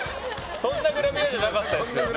そんなグラビアじゃなかったですよね。